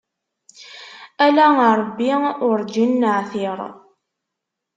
Ala Ṛebbi urǧin neɛtiṛ.